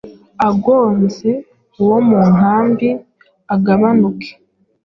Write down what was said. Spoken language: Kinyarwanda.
agonze uwo mu nkambi agabanuke.